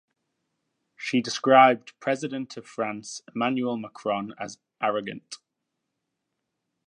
She described President of France Emmanuel Macron as "arrogant".